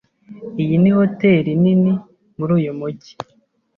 Iyi ni hoteri nini muri uyu mujyi.